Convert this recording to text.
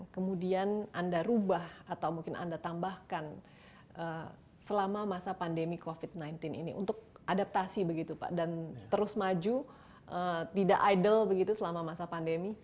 kemudian anda rubah atau mungkin anda tambahkan selama masa pandemi covid sembilan belas ini untuk adaptasi begitu pak dan terus maju tidak idol begitu selama masa pandemi